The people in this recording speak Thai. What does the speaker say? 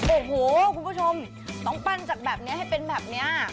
โอ้โหคุณผู้ชมต้องปั้นจากแบบนี้ให้เป็นแบบนี้